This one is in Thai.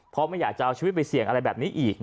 เพราะไม่อยากจะเอาชีวิตไปเสี่ยงอะไรแบบนี้อีก